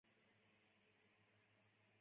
本鱼分布于全球温暖的海域。